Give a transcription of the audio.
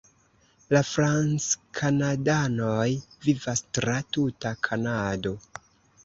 La franckanadanoj vivas tra tuta Kanado.